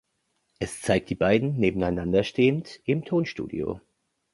Es zeigt die beiden nebeneinander stehend im Tonstudio.